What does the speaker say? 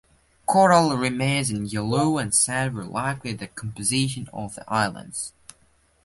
Coral remains and yellow sand were likely the composition of the islands.